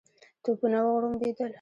توپونه وغړومبېدل.